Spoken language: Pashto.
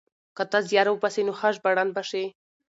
که ته زيار وباسې نو ښه ژباړن به شې.